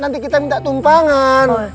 nanti kita minta tumpangan